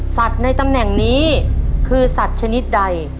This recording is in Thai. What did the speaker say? ในตำแหน่งนี้คือสัตว์ชนิดใด